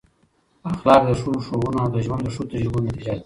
اخلاق د ښو ښوونو او د ژوند د ښو تجربو نتیجه ده.